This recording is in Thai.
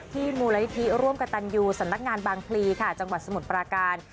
มูลนิธิร่วมกับตันยูสำนักงานบางพลีค่ะจังหวัดสมุทรปราการ